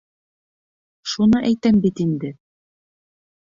Шуны әйтәм бит инде...